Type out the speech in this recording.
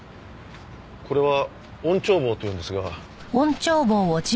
これは音聴棒というんですが。